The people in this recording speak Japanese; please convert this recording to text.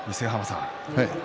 伊勢ヶ濱さん